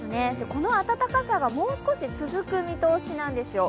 この暖かさがもう少し続く見通しなんですよ。